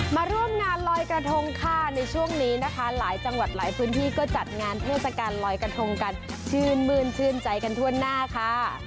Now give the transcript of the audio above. มาร่วมงานลอยกระทงค่ะในช่วงนี้นะคะหลายจังหวัดหลายพื้นที่ก็จัดงานเทศกาลลอยกระทงกันชื่นมื้นชื่นใจกันทั่วหน้าค่ะ